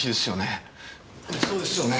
そうですよね？